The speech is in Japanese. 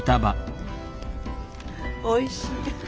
おいしい！